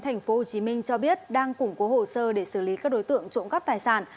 tp hcm cho biết đang củng cố hồ sơ để xử lý các đối tượng trộm cắp tài sản